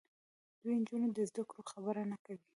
دوی د نجونو د زدهکړو خبره نه کوي.